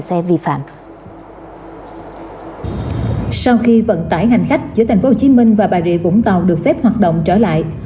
sau khi vận tải hành khách giữa tp hcm và bà rịa vũng tàu được phép hoạt động trở lại